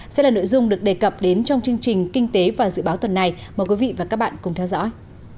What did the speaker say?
sẽ là nội dung được đề cập đến trong chương trình kinh tế và dự báo tuần này mời quý vị và các bạn cùng theo dõi